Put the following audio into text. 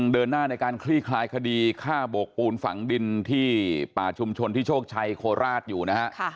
เดินหน้าในการคลี่คลายคดีฆ่าโบกปูนฝังดินที่ป่าชุมชนที่โชคชัยโคราชอยู่นะฮะ